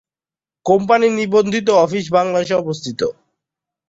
কোম্পানির নিবন্ধিত অফিস বাংলাদেশে অবস্থিত।